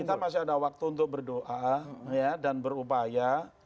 kita masih ada waktu untuk berdoa dan berupaya